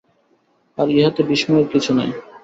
আর ইহাতে বিস্ময়ের কিছু নাই।